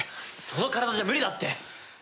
その体じゃ無理だって！